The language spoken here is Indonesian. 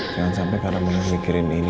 jangan sampai kalau kamu dipikirin ini